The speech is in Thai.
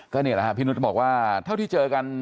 ก็นี่แหละพี่นุฏบอกว่าเท่าที่เจอกัน